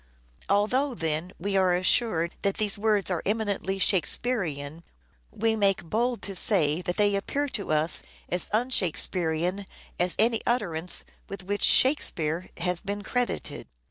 Although, then, we are assured that these words are eminently Shakespearean, we make bold to say that they appear to us as un Shakespearean as any utterance with which " Shakespeare " has been credited.